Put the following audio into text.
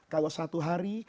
kalau satu hari